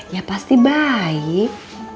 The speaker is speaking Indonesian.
ya pasti baik